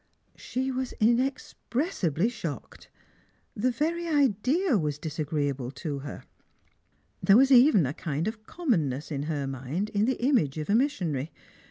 She was inexpressibly shocked. The very idea was disagi ee able to her. There was even a kind of commonness, in hei mind, in the image of a missionary.